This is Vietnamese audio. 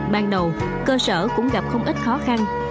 ban đầu cơ sở cũng gặp không ít khó khăn